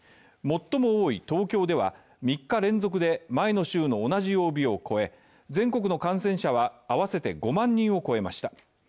最も多い東京では３日連続で前の週の同じ曜日を超え全国の感染者は合わせて５万人を超えました。